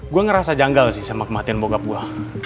gue ngerasa janggal sih sama kematian bogab gue